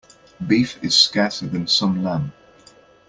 Beef is scarcer than some lamb.